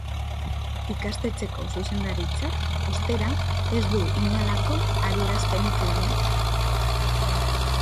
Ikastetxeko zuzendaritzak, ostera, ez du inolako adierazpenik egin.